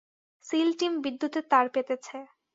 Seal team বিদ্যুতের তার পেতেছে।